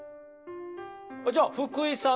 じゃあ福井さん